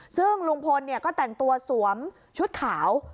ซึ่งลุงพลก็แต่งตัวสวมชุดขาว